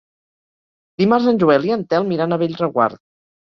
Dimarts en Joel i en Telm iran a Bellreguard.